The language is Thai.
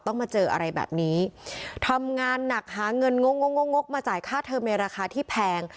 มาเจออะไรแบบนี้ทำงานหนักหาเงินงงงงกมาจ่ายค่าเทอมในราคาที่แพง